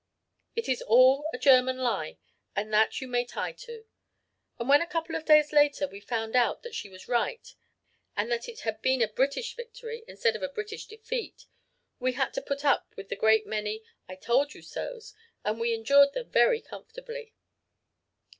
'It is all a German lie and that you may tie to.' And when a couple of days later we found out that she was right and that it had been a British victory instead of a British defeat, we had to put up with a great many 'I told you so's,' but we endured them very comfortably.